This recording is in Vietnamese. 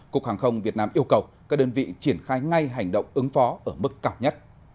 cục hàng không việt nam yêu cầu các đơn vị triển khai ngay hành động ứng phó ở mức cao nhất